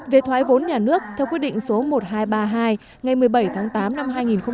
về thoái vốn nhà nước theo quyết định số một nghìn hai trăm ba mươi hai ngày một mươi bảy tháng tám năm hai nghìn một mươi bảy